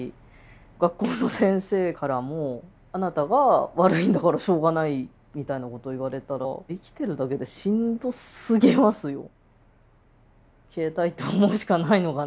学校の先生からもあなたが悪いんだからしょうがないみたいなことを言われたら生きてるだけでしんどすぎますよ。